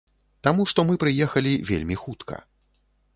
Таму што мы прыехалі вельмі хутка.